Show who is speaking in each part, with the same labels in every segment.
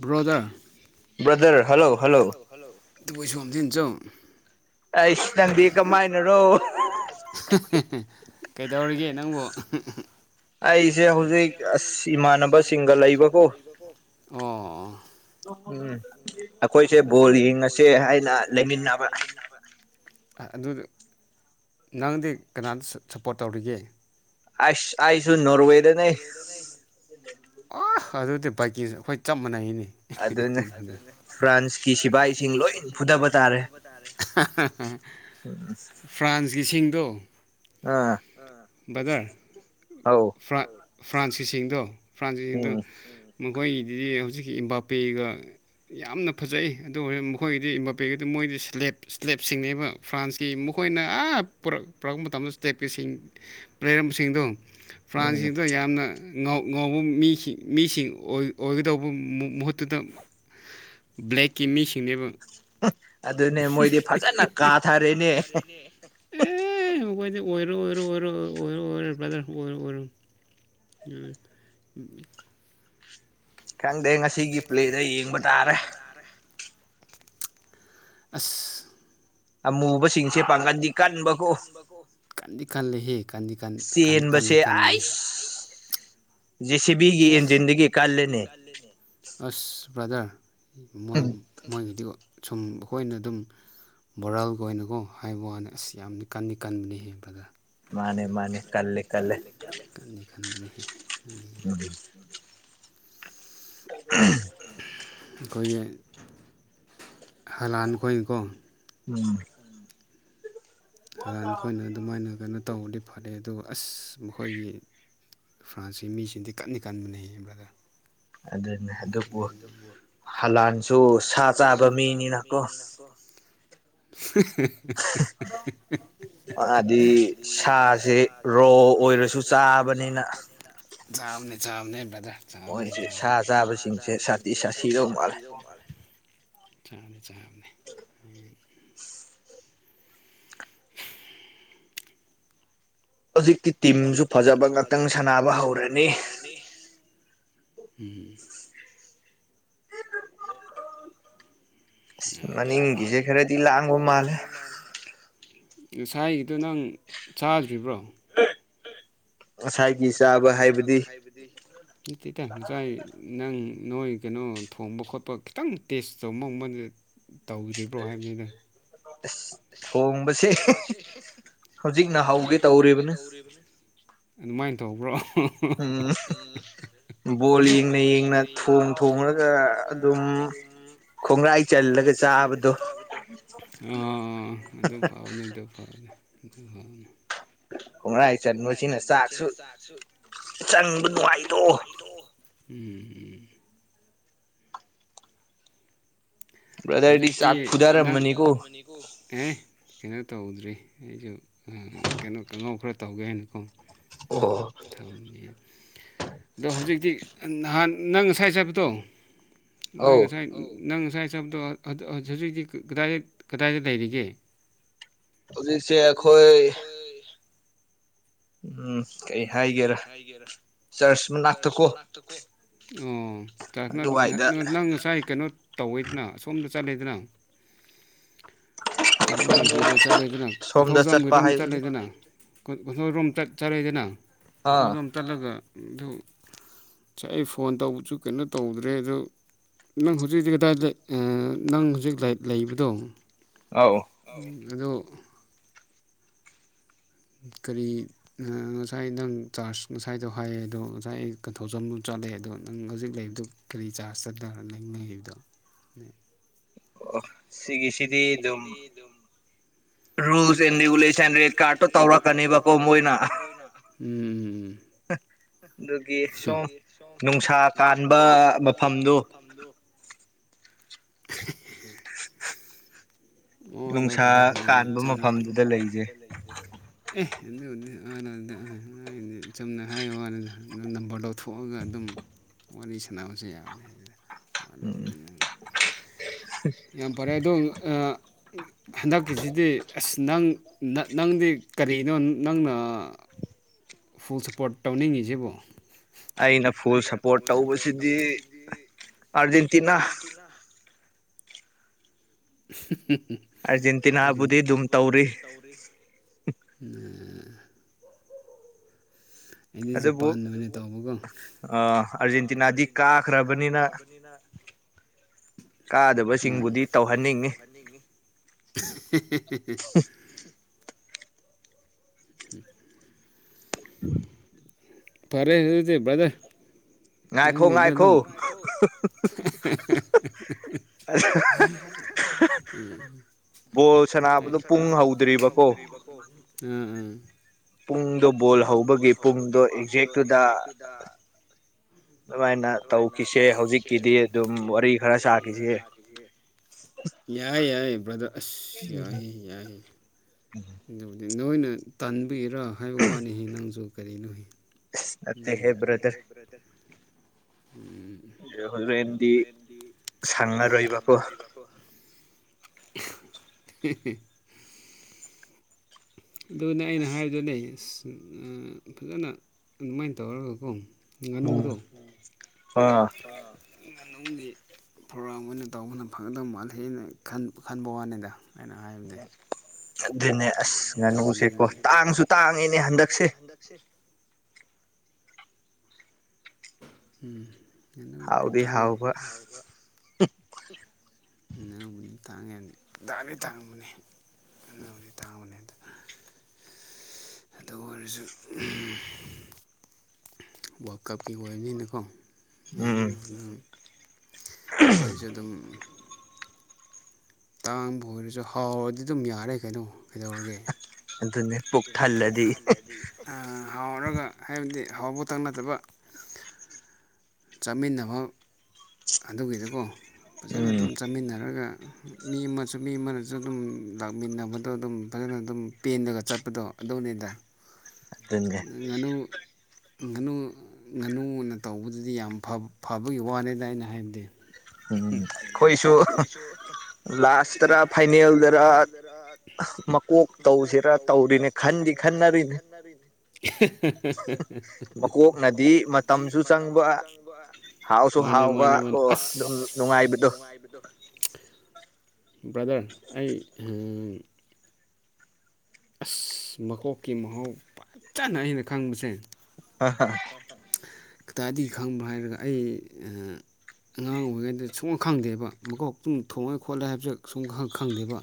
Speaker 1: border ꯇꯨꯑꯩꯁꯣꯡ ꯇꯤꯟꯆꯪ E ꯀꯃꯥꯏꯅꯔꯣ ꯀꯩꯗꯧꯔꯤꯒꯦ ꯅꯪꯕꯨ ꯑꯩꯁꯦ ꯍꯧꯖꯤꯛ ꯑꯁ ꯏꯃꯥꯟꯅꯕꯁꯤꯡꯒ ꯂꯩꯕꯀꯣ
Speaker 2: ꯎꯝ ꯑꯩꯈꯣꯏꯁꯦ ꯕꯣꯜ ꯌꯦꯡꯉꯁꯦ ꯍꯥꯏꯅ ꯂꯩꯃꯤꯟꯅꯕ
Speaker 1: ꯑꯗꯨ ꯅꯪꯗꯤ ꯀꯅꯥꯅ ꯁꯞꯄꯣꯔꯠ ꯇꯧꯔꯤꯒꯦ
Speaker 2: ꯑ
Speaker 1: ꯑ
Speaker 2: ꯑꯥꯏꯁꯨꯅꯤ
Speaker 1: ꯑꯗꯨꯗꯤ ꯕꯥꯏꯛꯀꯤꯁ ꯑꯩꯈꯣꯏ ꯆꯞ ꯃꯥꯟꯅꯩꯅꯤ [unintelligible] ꯐ꯭ꯔꯥꯟꯅꯤꯁꯀꯤ ꯁꯤꯐꯥꯏꯁꯤꯡ ꯂꯣꯏꯅ ꯐꯨꯊꯕ ꯇꯥꯔꯦ ꯐ꯭ꯔꯥꯟꯁꯀꯤ ꯁꯤꯡꯗꯣ ꯕꯗꯔ ꯐ꯭ꯔꯥꯟꯁꯤꯁꯤꯁꯤꯡꯗꯣ ꯐ꯭ꯔꯥꯟꯁꯤꯁꯤꯁꯤꯡꯗꯣ ꯃꯈꯣꯏꯒꯤꯗꯨꯗꯤ ꯍꯧꯖꯤꯛꯀꯤ ꯏꯕꯥꯄꯤꯦꯒ ꯌꯥꯝꯅ ꯐꯖꯩ ꯑꯗꯨ ꯑꯣꯏꯔꯗꯤ ꯃꯈꯣꯏꯒꯤꯗꯤ ꯏꯕꯥꯄꯦꯒꯤꯗꯤ ꯃꯣꯏꯗꯤꯦꯞ ꯏꯁ꯭ꯂꯦꯞꯁꯤꯡꯅꯦꯕ ꯐ꯭ꯔꯥꯟꯁꯀꯤ ꯑꯩꯈꯣꯏꯅ ꯑꯛ ꯄꯨꯔꯛꯄ ꯃꯇꯝꯗ ꯏꯁꯇꯦꯞꯀꯤꯁꯤꯡ ꯂꯩꯔꯝꯕꯁꯤꯡꯗꯣ ꯐ꯭ꯔꯥꯟꯁꯤꯗ ꯌꯥꯝꯅ ꯉ ꯉꯥꯎꯕ ꯃꯤꯁꯤꯡ ꯃꯤꯁꯤꯡ ꯑꯣꯏꯒꯗꯧꯕ ꯃꯍꯨꯠꯇꯨꯗ ꯕ꯭ꯂꯦꯛꯀꯤ ꯃꯤꯁꯤꯡꯡꯅꯦꯕ
Speaker 2: ꯑ
Speaker 1: ꯑꯦ ꯑꯩꯣꯏꯗꯤ ꯑꯣꯏꯔꯣ ꯑꯣꯏꯔꯣ ꯑꯣꯏꯔ ꯭ꯔꯗꯔ ꯎ
Speaker 2: ꯈꯪꯗꯦ ꯉꯁꯤꯒꯤ ꯄ꯭ꯂꯦꯗ ꯌꯦꯡꯕ ꯇꯥꯔꯦ
Speaker 1: ꯑꯁ ꯀꯥꯟ ꯀꯥꯟ ꯍꯦ ꯀꯥꯟꯥꯟꯥꯟ
Speaker 2: ꯑꯥꯏꯁ
Speaker 1: ꯑꯁ ꯕ꯭ꯔꯥꯗꯔ ꯃꯣꯏ ꯃꯣꯏꯒꯤꯗꯤ ꯁꯨꯝ ꯑꯩꯈꯣꯏꯅ ꯑꯗꯨꯝ ꯕꯣꯔꯥꯦꯜꯒ ꯑꯣꯏꯅꯀꯣ ꯍꯥꯏꯕ ꯋꯥꯅꯤ ꯑꯁ ꯌꯥꯝꯅ ꯀꯟꯅꯤ ꯀꯟꯕꯅꯤ ꯍꯦꯟꯕꯗ ꯃꯥꯔꯦ ꯃꯥꯔꯦ ꯀꯂ ꯀꯂ
Speaker 2: ꯎ [inaudible]
Speaker 1: ꯑꯩꯈꯣꯏꯒꯤ ꯍꯂꯥꯟꯈꯣꯏꯅꯤꯀꯣ
Speaker 2: ꯎꯝ
Speaker 1: ꯔꯥꯟꯈꯣꯏꯅ ꯑꯗꯨꯃꯥꯏꯅ ꯀꯩꯅꯣ ꯇꯧꯕꯗꯤ ꯐꯔꯦ ꯑꯗꯨꯒ ꯑꯁ ꯃꯈꯣꯏꯒꯤ ꯐ꯭ꯔꯥꯟꯁꯀꯤ ꯃꯤꯁꯤꯡꯗꯤ ꯀꯟꯅ ꯀꯟꯕꯅꯦꯌꯦ ꯕ꯭ꯔꯗꯔ
Speaker 2: ꯑꯗꯨꯅꯦ ꯑꯗꯨꯕꯨ ꯍꯂꯥꯟꯁꯨ ꯁꯥ ꯆꯥꯕ ꯃꯤꯅꯤꯅꯀꯣ
Speaker 1: [unintelligible]
Speaker 2: ꯍꯥꯏꯗꯤ ꯁꯥꯁꯦ ꯔꯣ ꯑꯣꯏꯔꯁꯨ ꯆꯥꯕꯅꯤꯅ
Speaker 1: ꯆꯅꯤ ꯆꯥꯅꯤ ꯕꯗꯥ ꯆꯅꯤ ꯆꯥꯕ
Speaker 2: ꯆꯥꯕꯁꯤꯡꯁꯦ ꯁꯥꯇꯤ ꯁꯥꯁꯤꯗꯣ ꯃꯥꯜꯂꯦ
Speaker 1: ꯆꯥꯅꯤ ꯆꯥꯕꯅꯤ
Speaker 2: ꯍꯧꯖꯤꯛꯇꯤ ꯇꯤꯝꯁꯨ ꯐꯖꯕ ꯉꯥꯛꯇꯪ ꯁꯥꯟꯅꯕ ꯍꯧꯔꯅꯤ
Speaker 1: ꯎꯝ
Speaker 2: ꯑ ꯃꯅꯤꯡꯒꯤꯁꯦ ꯈꯔꯗꯤ ꯂꯥꯡꯕ ꯃꯥꯜꯂꯦ
Speaker 1: ꯉꯁꯥꯏꯒꯤꯗꯣ ꯅꯪ ꯆꯥꯗ꯭ꯔꯤꯕ꯭ꯔꯣ ꯁ ꯆ ꯍꯥꯏꯕꯇ ꯉꯥꯏ ꯅꯪ ꯅꯣꯏ ꯀꯩꯅꯣ ꯊꯣꯡꯕ ꯈꯣꯠꯄ ꯈꯤꯇꯪ ꯇꯦꯁ ꯇꯧꯕ ꯃꯕꯗ ꯇꯧꯗ꯭ꯔꯤꯕ꯭ꯔꯣ ꯍꯥꯏ ꯐꯕꯤꯦꯗ
Speaker 2: ꯊꯣꯡꯕꯁꯦ ꯍꯧꯖꯤꯛꯅ ꯍꯧꯒꯦ ꯇꯧꯔꯤꯕꯅ
Speaker 1: ꯑꯗꯨꯃꯥꯏꯅ ꯇꯧꯕ꯭ꯔꯣ
Speaker 2: ꯕꯣꯜ ꯌꯦꯡꯅ ꯌꯦꯡꯅ ꯊꯣꯡ ꯊꯣꯉꯒ ꯑꯗꯨꯝ
Speaker 1: ꯈꯣꯡ꯭ꯔ ꯆꯂ ꯆꯗꯣ ꯑ ꯑꯗꯨ ꯐꯥꯎꯅꯤ ꯑꯗꯨ ꯐꯥꯎꯅꯤ ꯍꯥꯎꯅ
Speaker 2: ꯈꯣꯡꯔꯥꯏ ꯆꯟꯕꯁꯤꯅ ꯆꯥꯛꯁꯨ ꯆꯪꯕ ꯅꯨꯡꯉꯥꯏꯗꯣ
Speaker 1: ꯎꯝ ꯎꯝ ꯍꯧꯖꯤꯛꯇꯤꯪ ꯑꯦꯩꯅꯣ ꯇꯧꯗ꯭ꯔꯤ ꯑꯩꯁꯨ ꯀꯩꯅꯣ ꯀꯥꯡꯩꯅꯧ ꯈꯔ ꯇꯧꯒꯦ ꯍꯥꯏꯅꯀꯣ ꯊꯅꯤ ꯑꯗꯣ ꯍꯧꯖꯤꯛꯇꯤ ꯅꯍꯥꯟ ꯅꯪ ꯉꯁꯥꯏ ꯆꯕꯗꯣ ꯍꯣꯏ ꯉꯁꯥꯏ ꯅꯪ ꯉꯁꯥꯏ ꯣ ꯍꯧꯖꯤꯛ ꯍꯧꯖꯤꯛꯗꯥꯏꯗ ꯀꯗꯥꯏꯗ ꯂꯩꯔꯤꯒꯦ
Speaker 2: ꯍꯧꯖꯤꯛꯁꯦ ꯑꯩꯈꯣꯏ ꯎꯝ ꯀꯩ ꯍꯥꯏꯒꯦꯔꯥ ꯆꯔꯆ
Speaker 1: ꯑꯣ ꯆ ꯅꯪ ꯉꯁꯥꯏ ꯀꯩꯅꯣ ꯇꯧꯋꯤꯗꯅ ꯁꯣꯝꯗ ꯆꯂꯦꯗꯅ ꯀꯩꯅꯣꯒꯤꯗꯨꯩꯗ ꯆꯠꯂꯦꯗꯅ ꯄꯊꯧꯖꯥꯝꯒꯤꯔꯣꯝ ꯆꯠꯂꯦꯗꯅ ꯀꯣꯟꯊꯣꯡꯔꯣꯝ ꯆꯠ ꯆꯔꯛꯏꯗꯅ ꯀꯣꯟꯊꯊꯧꯔꯣꯝ ꯆꯠꯂꯒ ꯑꯗꯨ ꯁꯁ ꯑꯩ ꯐꯣꯟ ꯇꯧꯕꯁꯨ ꯀꯩꯅꯣ ꯇꯧꯗ꯭ꯔꯦ ꯑꯗꯣ ꯅꯪ ꯍꯧꯖꯤꯛ ꯍꯧꯖꯤꯛ ꯀꯗꯥꯏ ꯅꯪ ꯍꯧꯖꯤꯛꯥꯏꯔꯤ ꯂꯩꯕꯗꯣ
Speaker 2: ꯑꯥꯎ
Speaker 1: ꯑꯗꯣ ꯀꯔꯤ ꯉꯁꯥꯏ ꯅꯪ ꯆꯥꯔꯖ ꯉꯁꯥꯏꯗꯣ ꯍꯥꯏꯌꯦ ꯑꯗꯣ ꯉꯁꯥꯏ ꯑꯩ ꯀꯣꯛ ꯂꯩ ꯑꯗꯣ ꯅꯪ ꯍꯧꯖꯤꯛ ꯂꯩꯕꯗꯨ ꯀꯔꯤ ꯆꯥꯔꯖ ꯆꯠꯇ ꯅꯪ ꯂꯩꯗꯣ
Speaker 2: ꯑꯣ ꯁꯤꯒꯤꯁꯤꯗꯤ ꯑꯗꯨꯝ ꯔꯨꯜꯁ ꯑꯦ ꯔꯦꯒꯨꯂꯦꯁꯟ ꯀꯥꯇꯣ ꯇꯧ
Speaker 1: ꯇꯧꯔ ꯀꯅꯤꯕ ꯀꯣꯣꯏꯅ
Speaker 2: ꯑꯗꯨꯒꯤ ꯁꯨꯝ ꯅꯨꯡꯁꯥ ꯀ ꯃꯐꯝꯗꯨ
Speaker 1: ꯍ ꯑꯣ ꯂꯧꯗ ꯍ ꯑꯦ ꯑꯔꯗ ꯆꯨꯝꯅ ꯍꯥꯏꯌꯣ ꯑꯗꯨꯗ ꯅꯝꯕꯔ ꯂꯧꯊꯣꯛꯑꯒ ꯑꯗꯨꯝ ꯋꯥꯔꯤ ꯋꯥꯔꯤ ꯁꯅꯥꯁꯦ ꯌꯥ ꯄꯔꯦ ꯑꯗꯨ ꯍꯟꯗꯛꯀꯤꯁꯤꯗꯤ ꯑꯁ ꯅꯪ ꯅꯪꯗꯤ ꯀꯔꯤꯅꯣ ꯅꯪꯅ ꯐꯨꯜ ꯁꯞꯄꯣꯔꯠ ꯇꯧꯅꯤꯡꯉꯤꯁꯤꯕꯨ ꯑꯩꯅ ꯐꯨꯜ ꯁꯄꯣꯔꯠ ꯇꯧꯕꯁꯤꯗꯤ ꯑꯥꯔꯖꯦꯟꯇꯤꯅꯥ [unintelligible] [inaudible]
Speaker 2: ꯑꯔꯖꯦꯟꯇꯤꯅꯥ ꯑꯕꯨꯗꯤ ꯑꯗꯨꯗꯨꯝ ꯇꯧꯔꯤ
Speaker 1: ꯑꯦ [inaudible] ꯑꯩꯗꯤ ꯖꯄꯥꯟ ꯑꯃꯅꯦ ꯇꯧꯕꯒꯣ
Speaker 2: ꯑ ꯑꯥꯔꯖꯦꯟꯇꯤꯅꯥꯗꯤ ꯀꯥꯈ꯭ꯔꯕꯅꯤꯅ
Speaker 1: [unintelligible] [inaudible]
Speaker 2: ꯀꯥꯗꯕꯁꯤꯡꯕꯨꯗꯤ ꯇꯧꯍꯟꯅꯤꯡꯉꯤ
Speaker 1: ꯇꯧꯍꯟꯅꯤꯡꯉꯤ ꯎꯝ
Speaker 2: [unintelligible] [inaudible]
Speaker 1: ꯐꯔꯦ ꯍ ꯆꯕꯗ ꯅꯪꯉꯩꯗꯗꯝ ꯎꯝ ꯁ ꯍꯧꯗ꯭ꯔꯤꯕꯔꯤꯕꯀꯣ ꯎꯝ ꯎꯝ
Speaker 2: ꯄꯨꯡꯗꯣ ꯕꯣꯜ ꯍꯧꯕꯒꯤ ꯄꯨꯡꯗꯣ ꯑꯦꯛꯖꯦꯛꯇꯨꯗ
Speaker 1: ꯎꯝ
Speaker 2: ꯑꯗꯨꯃꯥꯏꯅ ꯇꯧꯈꯤꯁꯦ ꯍꯧꯖꯤꯛꯀꯤꯗꯤ ꯑꯗꯨꯝ ꯋꯥꯔꯤ ꯈꯔ ꯁꯥꯈꯤꯁꯦ
Speaker 1: ꯌꯥꯏ ꯌꯥꯏ ꯕ꯭ꯔꯗ ꯑ ꯌꯥ ꯌꯥꯏꯕꯨ ꯅꯅ ꯇꯕꯤꯒꯔꯥ ꯍꯥꯏꯕ ꯋꯥꯅꯤ ꯅꯪꯁꯨ ꯀꯔꯤꯅꯣꯏ ꯎꯝ ꯅꯦ ꯍꯦꯕ꯭ꯔꯣꯗ
Speaker 2: ꯔꯍꯨꯜ ꯔꯟꯗꯤ ꯁꯥꯉ ꯔꯣꯏꯕꯕꯨ
Speaker 1: ꯍ [unintelligible] [inaudible] ꯑꯗꯨꯅꯦ ꯑꯩꯅ ꯍꯥꯏꯕꯗꯨꯅꯦ ꯑꯁ ꯐꯖꯅ ꯑꯗꯨꯃꯥꯏꯅ ꯇꯧꯔꯒꯀꯣ ꯉꯥꯅꯨꯗꯣ ꯀꯒꯤ ꯄ꯭ꯔꯣꯒꯥ꯭ꯔꯥꯝ ꯑꯣꯏꯅ ꯇꯧꯕꯅ ꯐꯪꯒꯗꯧ ꯃꯥꯂꯦꯅ ꯈꯟꯕ ꯋꯥꯅꯤꯗ ꯑꯩꯅ ꯍꯥꯏꯕꯅꯦ
Speaker 2: ꯑꯗꯨꯅꯦ ꯑꯁ ꯉꯥꯅꯨꯁꯦꯀꯣ ꯇꯥꯡꯁꯨ ꯇꯥꯡꯉꯤꯅꯦ ꯍꯟꯗꯛꯁꯦ
Speaker 1: ꯎꯝ [inaudible] ꯅꯕꯨꯗꯤ ꯇꯥꯡꯥꯎꯗꯤ ꯍꯥꯎꯕꯧꯕꯅꯤ ꯥꯡꯉꯦ ꯥꯟꯗꯤ ꯊꯥꯡꯕꯅꯦ ꯑꯗꯤ ꯊꯥꯡꯕꯅꯦ ꯑꯗꯨ ꯑꯗꯨ ꯑꯣꯏꯔꯁꯨ ꯋꯥꯔꯜ ꯀꯞꯀꯤ ꯑꯣꯏꯔꯅꯤꯅꯀꯣ ꯑꯩꯗꯅ ꯑꯗꯨꯝ ꯑꯩꯈꯣꯏꯁꯨ ꯑꯗꯨꯝ ꯇꯥꯡꯕ ꯑꯣꯏꯔꯁꯨ ꯍꯥꯎꯔꯗꯤ ꯑꯗꯨꯝ ꯌꯥꯔꯦ ꯀꯩꯅꯣ ꯀꯩꯗꯧꯔꯒꯦ ꯍꯥꯎꯔꯒ ꯍꯥꯏ ꯗꯤ ꯑꯍꯥꯎꯕ ꯇꯪꯅꯗꯕ ꯆꯥꯃꯤꯟꯅꯕ ꯑꯗꯨꯒꯤꯗꯨꯀꯣ ꯐꯖꯅ ꯑꯗꯨꯝ ꯆꯥꯃꯤꯟꯅꯔꯒ ꯃꯤ ꯑꯃꯁꯨ ꯃꯤ ꯑꯃꯅꯁꯨ ꯑꯗꯨꯝ ꯂꯥꯛꯃꯤꯟꯅꯕꯗꯣ ꯑꯗꯨꯝ ꯐꯖꯅ ꯑꯗꯨꯝ ꯄꯦꯟꯗꯒ ꯆꯠꯄꯗꯣ ꯑꯗꯨꯅꯦꯗ ꯅꯪ ꯉꯅꯨ ꯉꯥꯅꯨ ꯉꯥꯅꯨꯅ ꯇꯧꯕꯗꯨꯗꯤ ꯌꯥꯝ ꯐꯕꯒꯤ ꯋꯥꯅꯦꯅ ꯑꯩꯅ ꯍꯥꯏꯕꯗꯤ
Speaker 2: ꯎꯝ ꯀꯣꯏꯁꯨꯨ ꯂꯥꯁꯇꯔ ꯐꯥꯏꯅꯦꯜꯗꯔ ꯃꯀꯣꯛ ꯇꯧꯁꯤꯔ ꯇꯧꯔꯤꯅꯦ ꯈꯟꯗꯤ
Speaker 1: ꯈꯥꯟꯗꯤ ꯈꯟꯅꯔꯅꯦ ꯃꯀꯣꯛꯅꯗꯤ ꯃꯇꯝꯁꯨ ꯆꯪꯕ
Speaker 2: ꯍꯥꯎꯕ ꯀꯣ ꯑꯗꯨꯝ ꯅꯨꯡꯉꯥꯏꯕꯗꯣ
Speaker 1: ꯕ꯭ꯔꯗꯔ ꯑꯩ ꯑꯁ ꯃꯣꯛꯀꯤ ꯃꯍꯥꯎ ꯄꯖꯅ ꯑꯩꯅ ꯈꯪꯕꯁꯦ ꯀꯗꯥꯏꯗꯒꯤ ꯈꯪꯕ꯭ꯔꯥ ꯍꯥꯏꯔꯒ ꯑꯩ ꯑꯉꯥꯡ ꯑꯣꯏꯔꯤꯉꯩꯗ ꯁꯨꯡꯕ ꯈꯪꯗꯦꯕ ꯃꯈꯀꯣꯛꯛꯇꯨꯝ ꯊꯣꯡꯉꯦ ꯈꯣꯠꯂꯦ ꯍꯥꯏꯕꯁꯦ ꯁꯨꯝ ꯈꯪꯗꯦꯕ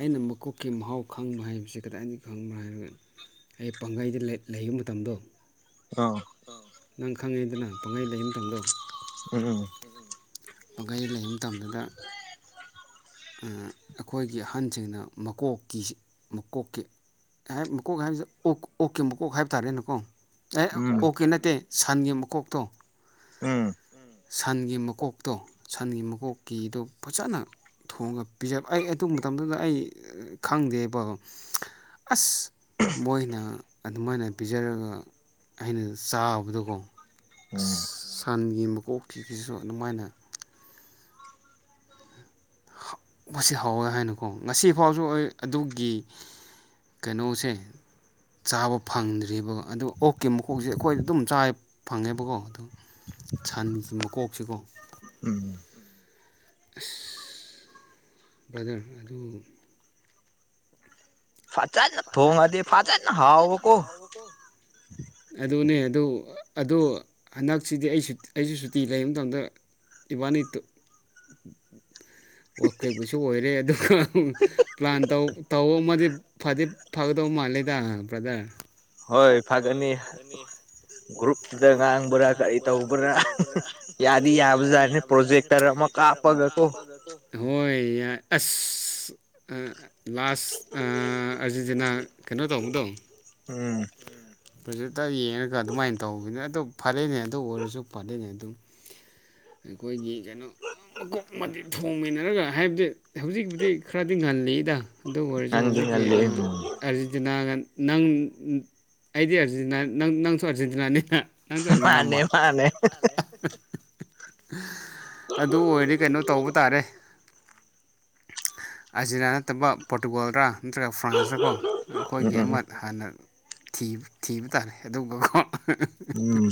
Speaker 1: ꯑꯩꯅ ꯃꯀꯣꯛꯀꯤ ꯃꯍꯥꯎ ꯈꯪꯕ ꯍꯥꯏꯕꯁꯦ ꯀꯗꯥꯏꯕꯣꯛ ꯈꯪꯕ꯭ꯔꯥ ꯍꯥꯏꯔꯒ ꯑꯩ ꯄꯥꯡꯂꯩꯗ ꯂꯩꯕ ꯃꯇꯝꯗꯣ ꯅꯪ ꯈꯪꯉꯤꯗꯅ ꯄꯪꯂꯩ ꯂꯩꯔꯤ ꯃꯇꯝꯗꯣ
Speaker 2: ꯎꯝ
Speaker 1: ꯄꯪꯂꯩ ꯂꯩꯕ ꯃꯇꯝꯗꯨꯗ ꯑꯩꯈꯣꯏꯒꯤ ꯑꯍꯟꯁꯤꯡꯅ ꯃꯀꯣꯛꯀꯤꯁꯤ ꯃꯀꯣꯛꯀꯤ ꯍꯥꯏ ꯃꯀꯣꯛ ꯍꯥꯏꯕꯕꯁꯦ ꯑꯣꯛꯀꯤ ꯃꯀꯣꯛ ꯍꯥꯏꯕ ꯇꯥꯔꯦꯅꯦꯀꯣ ꯑꯦ ꯑꯣꯛꯀꯤ ꯅꯠꯇꯦ ꯁꯟꯒꯤ ꯃꯀꯣꯛꯇꯣ
Speaker 2: ꯎꯝ
Speaker 1: ꯁꯟꯒꯤ ꯃꯀꯣꯛꯇꯣ ꯁꯟꯒꯤ ꯃꯀꯣꯛꯀꯤꯗꯣ ꯐꯖꯅ ꯊꯣꯡꯉꯒ ꯄꯤꯖꯕ ꯑꯩ ꯑꯗꯨ ꯃꯇꯝꯗꯨꯗ ꯑꯩ ꯈꯪꯗꯦꯕ ꯑꯁ ꯃꯣꯏꯅ ꯑꯗꯨꯃꯥꯏꯅ ꯄꯤꯖꯔꯒ ꯑꯩꯅ ꯆꯥꯕꯗꯀꯣ ꯑꯁ ꯁꯟꯒꯤ ꯃꯀꯣꯛ ꯀꯤꯁꯤꯁꯨ ꯑꯗꯨꯃꯥꯏꯅ ꯃꯁꯤ ꯍꯥꯎꯋꯦ ꯍꯥꯏꯅꯀꯣ ꯉꯁꯤꯐꯥꯎꯁꯨ ꯑꯩ ꯑꯗꯨꯒꯤ ꯀꯩꯅꯣꯁꯦ ꯆꯥꯕ ꯐꯪꯗ꯭ꯔꯤꯕ ꯑꯗꯨ ꯑꯣꯛ ꯀꯤ ꯃꯀꯣꯛꯁꯦ ꯑꯩꯈꯣꯏꯗ ꯑꯗꯨꯝ ꯆꯥ ꯐꯪꯉꯦꯕꯀꯣ ꯑꯗꯨ ꯁꯟꯒꯤ ꯃꯀꯣꯛꯁꯤꯀꯣ ꯕ꯭ꯔꯗꯔ ꯑꯗꯨ ꯐꯖꯅ ꯊꯣꯡꯉꯗꯤ ꯐꯖꯅ ꯍꯥꯎꯕ ꯀꯣ ꯑꯗꯨ ꯑꯗꯨ ꯑꯗꯣ ꯍꯟꯗꯛꯁꯤꯗꯤ ꯑꯩ ꯑꯩꯁꯨ ꯁꯨꯇꯤ ꯂꯩꯕ ꯃꯇꯝꯗ ꯏꯕꯥꯟꯅꯤ ꯋꯥꯋꯀꯦꯛꯕꯨꯁꯨ ꯑꯣꯏꯔꯦ ꯑꯗꯨꯒ ꯄ꯭ꯂꯥꯟ ꯇꯧ ꯑꯃꯗꯤ ꯐꯗꯤ ꯐꯒꯗꯧ ꯃꯥꯜꯂꯦꯗ ꯭ꯔꯗꯔ
Speaker 2: ꯍꯣꯏ ꯐꯒꯅꯤ ꯒ꯭ꯔꯨꯞꯇꯨꯗ ꯉꯥꯡꯕ꯭ꯔꯥ ꯀꯔꯤ ꯇꯧꯕ꯭ꯔꯥ ꯌꯥꯗꯤ ꯌꯥꯕꯖꯥꯔꯅꯤ ꯄ꯭ꯔꯣꯖꯦꯛꯇꯔ ꯑꯃ
Speaker 1: ꯍꯣꯏ ꯌꯥ ꯑꯁ ꯂꯥꯁ ꯑꯔꯖꯦꯟꯇꯤꯅꯥ ꯀꯩꯅꯣ ꯇꯧꯕꯗꯣ
Speaker 2: ꯎꯝ
Speaker 1: ꯄ꯭ꯔꯣꯖꯦꯛꯇꯔ ꯌꯦꯡꯉꯒ ꯑꯗꯨꯃꯥꯏꯅ ꯇꯧꯕꯅꯤ ꯑꯗꯨ ꯐꯔꯦꯅꯦ ꯑꯗꯨ ꯑꯣꯏꯔꯁꯨ ꯐꯔꯦꯅꯦ ꯑꯗꯨꯝ ꯑꯩꯈꯣꯏꯒꯤ ꯀꯩꯅꯣ ꯃꯀꯣꯛ ꯑꯃꯗꯤ ꯊꯣꯡꯃꯤꯟꯅꯔꯒ ꯍꯥꯏꯕꯗꯤ ꯍꯧꯖꯤꯛꯕꯨꯗꯤ ꯈꯔꯗꯤ ꯉꯜꯂꯤꯗ ꯑꯗꯨ ꯑꯣꯏꯔꯁꯨ ꯍꯧꯖꯤꯛꯀꯤ ꯑꯥꯔꯖꯦꯟꯇꯤꯅꯥꯒ ꯅꯪ ꯑꯩꯗꯤ ꯑꯇꯤ ꯅ ꯅꯪꯁꯨ ꯑꯔꯖꯦꯟꯇꯤꯅꯥꯅꯤ ꯇꯅꯤ ꯅꯃ ꯑꯗꯨ ꯑꯣꯏꯔꯗꯤ ꯀꯩꯅꯣ ꯇꯧꯕ ꯇꯥꯔꯦ ꯑꯥꯔꯖꯤꯅꯥꯥ ꯅꯠꯇꯕ ꯄꯣꯔꯇꯨꯒꯥꯜꯔ ꯅꯠꯇ꯭ꯔꯒ ꯐ꯭ꯔꯥꯟꯁꯔꯀꯣ ꯑꯩꯈꯣꯏꯒꯤ ꯑꯃ ꯍꯥꯟꯅ ꯊꯤꯕ ꯇꯥꯔꯦ ꯑꯗꯨꯒ
Speaker 2: ꯎꯝ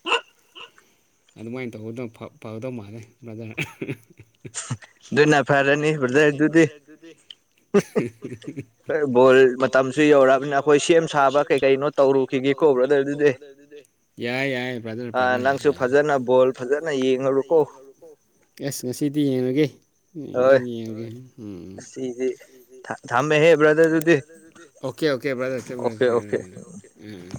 Speaker 1: [inaudible] ꯑꯗꯨꯃꯥꯏꯅ ꯇꯧꯕꯗ ꯐꯒꯗꯧ ꯃꯥꯜꯂꯦ ꯕ꯭ꯔꯖꯥ
Speaker 2: ꯅ ꯐ
Speaker 1: ꯑꯗꯨꯅꯥ ꯐꯔꯅꯤ ꯍꯖ ꯑꯗꯨꯗꯤ ꯐꯣꯏ ꯕꯣꯜ ꯃꯇꯝꯁꯨ ꯌꯧꯔꯛꯑꯕꯅꯤꯅ ꯑꯩꯈꯣꯏ ꯁꯦꯝ ꯁꯥꯕ ꯀꯩ ꯀꯩꯅꯣ ꯇꯧꯔꯨꯈꯤꯒꯦ ꯈꯣꯈ꯭ꯔꯗ ꯑꯗꯨꯗꯤ ꯌꯥꯏ ꯌꯥꯏ ꯕꯔꯗꯔ ꯌꯥꯏ ꯐꯣ ꯐ ꯉꯁꯤꯗꯤ ꯌꯦꯡꯉꯒꯦ
Speaker 2: ꯍꯣꯏ ꯑꯁꯤꯗꯤ ꯊꯝꯃꯦ ꯍꯦ ꯕ꯭ꯔꯗꯗꯨꯗꯤ
Speaker 1: ꯑꯣꯀꯦ ꯑꯣꯀꯦ꯭ꯔ ꯎ ꯎꯝ [inaudible]